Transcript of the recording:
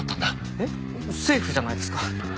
えっセーフじゃないですか？